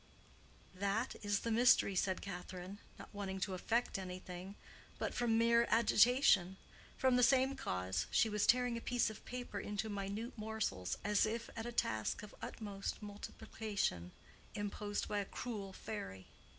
"That is the mystery," said Catherine, not wanting to affect anything, but from mere agitation. From the same cause she was tearing a piece of paper into minute morsels, as if at a task of utmost multiplication imposed by a cruel fairy.